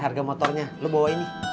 ya udah tuh